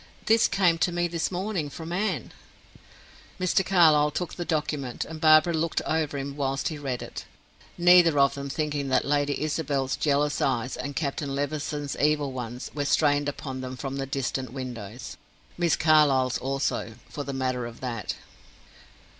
"This came to me this morning from Anne." Mr. Carlyle took the document, and Barbara looked over him whilst he read it; neither of them thinking that Lady Isabel's jealous eyes, and Captain Levison's evil ones, were strained upon them from the distant windows. Miss Carlyle's also, for the matter of that.